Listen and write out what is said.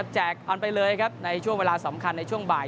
เอาไปเลยครับในช่วงเวลาสำคัญในช่วงบ่าย